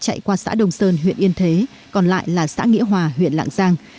chạy qua xã đông sơn huyện yên thế còn lại là xã nghĩa hòa huyện lạng giang